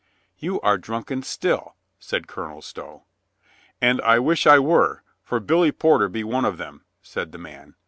"You .are drunken still," said Colonel Stow. "And I wish I were, for Billy Porter be one of them," said the man.